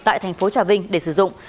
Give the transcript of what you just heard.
tại tp hcm để sử dụng